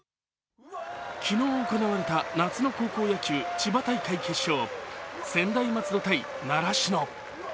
昨日行われた夏の高校野球、千葉大会決勝、専大松戸対習志野。